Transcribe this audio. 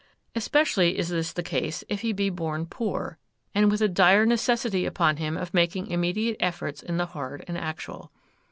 Especially is this the case if he be born poor, and with a dire necessity upon him of making immediate efforts in the hard and actual.